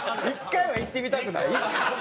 １回は行ってみたくない？